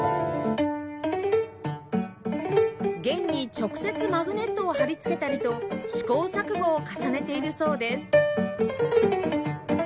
弦に直接マグネットを貼り付けたりと試行錯誤を重ねているそうです